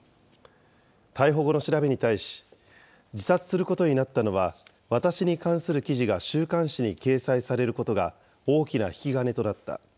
逮捕後の調べに対し、自殺することになったのは、私に関する記事が週刊誌に掲載されることが大きな引き金となった。